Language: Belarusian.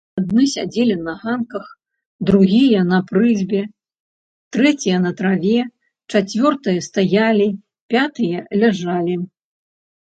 Адны сядзелі на ганках, другія на прызбе, трэція на траве, чацвёртыя стаялі, пятыя ляжалі.